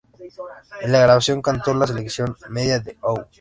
En la grabación, cantó la sección media de How?